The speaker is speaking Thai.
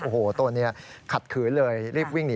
โอ้โหตัวนี้ขัดขืนเลยรีบวิ่งหนี